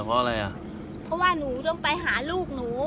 เพราะหนูต้องไปหาลูกหนู